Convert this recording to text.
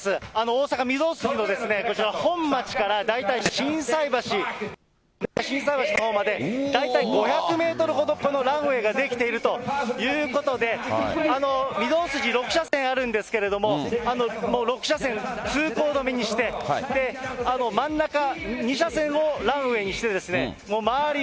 大阪・御堂筋のこちら本町から大体心斎橋、心斎橋のほうまで大体５００メートルほど、このランウェイが出来ているということで、御堂筋、６車線あるんですけれども、もう６車線通行止めにして、真ん中、２車線をランウェイにして、周り